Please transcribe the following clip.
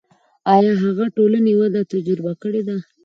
آیا هغه ټولنې وده تجربه کړې ده.